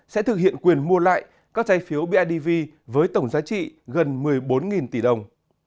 sẽ thực hiện quyền mua lại các trái phiếu bidv với tổng giá trị gần một mươi bốn tỷ đồng